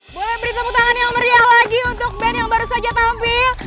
boleh beri tepuk tangan yang meriah lagi untuk band yang baru saja tampil